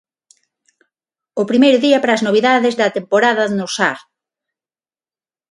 O primeiro día para as novidades da temporada no Sar.